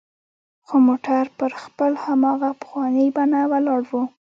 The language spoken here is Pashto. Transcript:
خو موټر پر خپل هماغه پخواني بڼه ولاړ و.